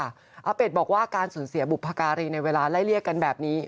อาเป็ดบอกว่าการสูญเสียบุพการีในเวลาไล่เลี่ยกันแบบนี้